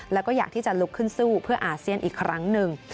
แล้วก็อยากที่จะลุกขึ้นสู้เพื่ออาเซียนอีกครั้งหนึ่ง